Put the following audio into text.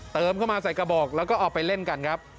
เติมเข้ามาใส่กระบอกแล้วก็เอาไปเล่นกันครับ